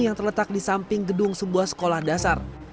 yang terletak di samping gedung sebuah sekolah dasar